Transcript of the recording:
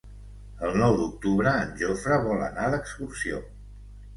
El nou d'octubre en Jofre vol anar d'excursió.